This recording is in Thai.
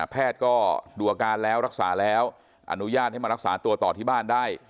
แพทย์ก็ดูอาการแล้วรักษาแล้วอนุญาตให้มารักษาตัวต่อที่บ้านได้